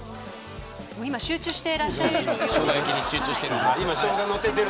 今集中していらっしゃるようです。